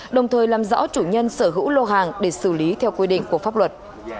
đồng thời làm rõ chủ nhân sở hữu lô hàng để xử lý theo quy định của pháp luật